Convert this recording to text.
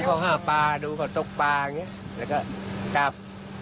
เขาหาปลาดูเขาตกปลาอย่างนี้แล้วก็จับ